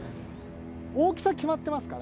大きさ決まってますから。